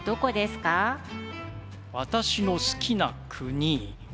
私の好きな国。